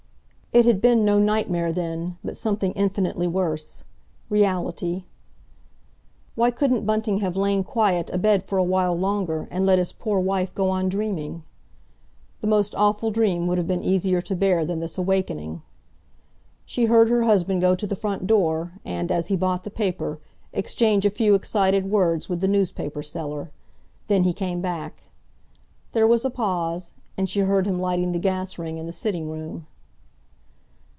It had been no nightmare, then, but something infinitely worse—reality. Why couldn't Bunting have lain quiet abed for awhile longer, and let his poor wife go on dreaming? The most awful dream would have been easier to bear than this awakening. She heard her husband go to the front door, and, as he bought the paper, exchange a few excited words with the newspaper seller. Then he came back. There was a pause, and she heard him lighting the gas ring in the sitting room.